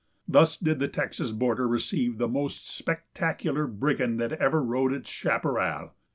Thus did the Texas border receive the most spectacular brigand that ever rode its chaparral.